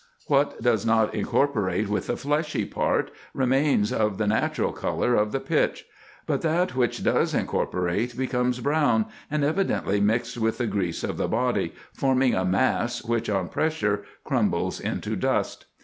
What does not incorporate with the fleshy part, remains of the natural colour of the pitch ; but that which does incorporate becomes brown, and evidently mixed with the grease of the body, forming a mass, which on pressure crumbles into dust.